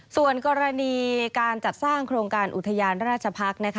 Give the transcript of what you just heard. ส่วนกรณีการจัดสร้างโครงการอุทยานราชพักษ์